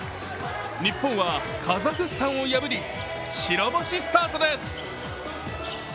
日本はカザフスタンを破り白星スタートです。